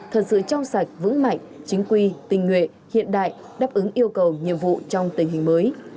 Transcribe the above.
thật sự trong sạch vững mạnh chính quy tình nguyện hiện đại đáp ứng yêu cầu nhiệm vụ trong tình hình mới